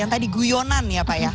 yang tadi guyonan ya pak ya